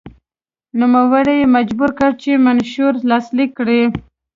نوموړی یې مجبور کړ چې منشور لاسلیک کړي.